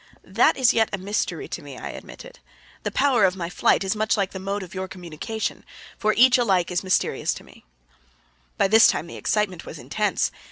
"That is yet a mystery to me," I admitted. "The power of my flight is much like the mode of your communication, for each is alike mysterious to me." By this time the excitement was intense.